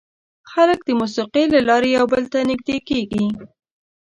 خلک د موسیقۍ له لارې یو بل ته نږدې کېږي.